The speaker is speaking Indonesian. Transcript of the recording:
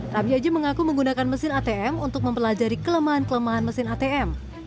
ramiyaji mengaku menggunakan mesin atm untuk mempelajari kelemahan kelemahan mesin atm